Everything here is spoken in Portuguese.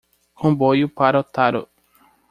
Comboio para Otaru